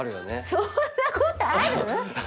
そんなことある！？